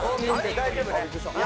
大丈夫ね。